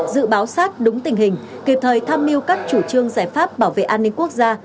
dự báo sát đúng tình hình kịp thời tham mưu các chủ trương giải pháp bảo vệ an ninh quốc gia